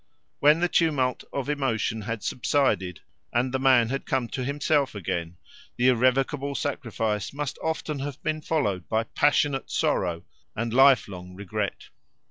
When the tumult of emotion had subsided, and the man had come to himself again, the irrevocable sacrifice must often have been followed by passionate sorrow and lifelong regret.